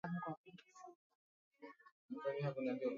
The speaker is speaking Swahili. hakikisha Matembele yako mi masafi